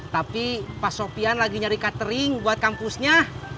tapi pas sopian lagi nyari catering buat kampusnya